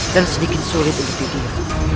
dan sedikit sulit untuk didiru